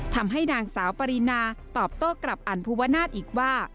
ทำให้นางสาวปรินาตอบโต้กลับอันภูวนาศอีกว่า